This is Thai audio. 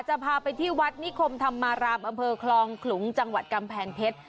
จะพาไปที่วัดนิคมธรรมารามอำเภอคลองขลุงจังหวัดกำแพงเพชร